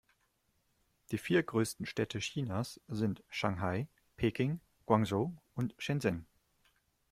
Die vier größten Städte Chinas sind Shanghai, Peking, Guangzhou und Shenzhen.